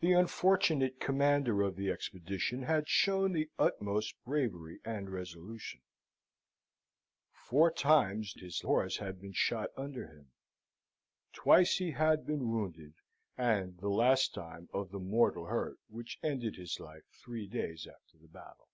The unfortunate commander of the expedition had shown the utmost bravery and resolution. Four times his horse had been shot under him. Twice he had been wounded, and the last time of the mortal hurt which ended his life three days after the battle.